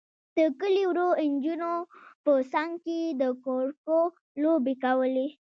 د کلي وړو نجونو به څنګ کې د کورکو لوبې کولې.